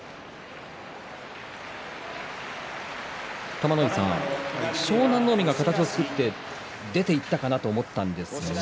玉ノ井さん、湘南乃海が形を作って出ていったと思ったんですが。